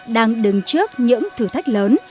đang đứng trước những thử thách lớn